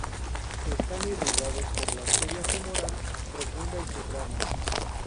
Están irrigados por la arteria femoral profunda y sus ramas.